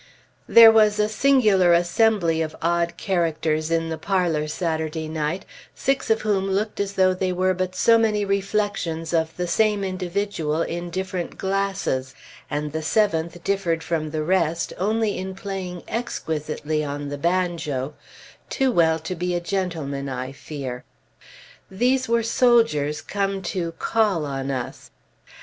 There was a singular assembly of odd characters in the parlor Saturday night, six of whom looked as though they were but so many reflections of the same individual in different glasses, and the seventh differed from the rest only in playing exquisitely on the banjo "Too well to be a gentleman," I fear. These were soldiers, come to "call" on us.